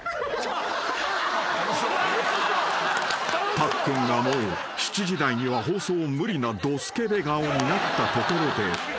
［たっくんがもう７時台には放送無理なドスケベ顔になったところで］